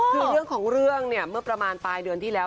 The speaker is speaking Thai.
คือเรื่องของเรื่องเนี่ยเมื่อประมาณปลายเดือนที่แล้ว